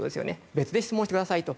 別で質問してくださいと。